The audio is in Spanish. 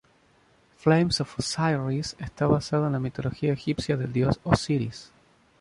Flames of Osiris está basado en la mitología egipcia del dios Osiris.